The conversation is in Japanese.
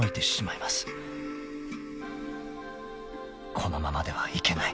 ［このままではいけない］